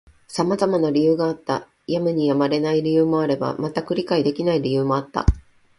様々な理由があった。やむにやまれない理由もあれば、全く理解できない理由もあった。